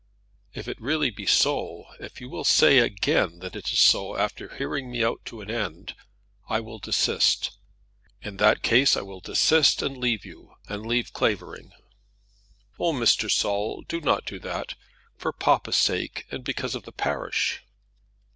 "If it really be so, if you will say again that it is so after hearing me out to an end, I will desist. In that case I will desist and leave you, and leave Clavering." "Oh, Mr. Saul, do not do that, for papa's sake, and because of the parish."